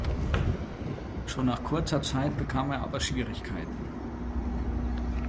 Schon nach kurzer Zeit bekam er aber Schwierigkeiten.